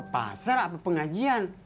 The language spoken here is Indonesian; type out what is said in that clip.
paser apa pengajian